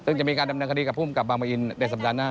ซึ่งจะมีการดำเนินคดีกับผู้มกับการสอพบังปะอินเดียวสัปดาห์หน้า